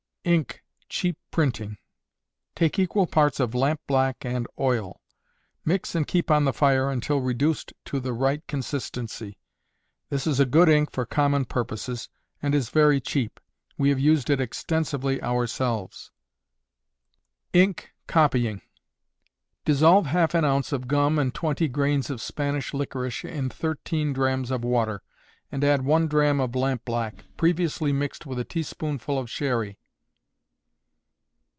Ink, Cheap Printing. Take equal parts of lampblack and oil; mix and keep on the fire till reduced to the right consistency. This is a good ink for common purposes, and is very cheap. We have used it extensively ourselves. Ink, Copying. Dissolve half an ounce of gum and twenty grains of Spanish licorice in thirteen drachms of water, and add one drachm of lampblack, previously mixed with a teaspoonful of sherry.